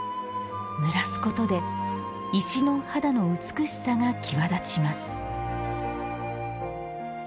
濡らすことで石の肌の美しさが際立ちます。